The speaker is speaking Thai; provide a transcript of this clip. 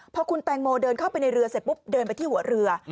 พอคุณแตงโมเดินเข้าไปในเรือเสร็จปุ๊บเดินไปที่หัวเรือ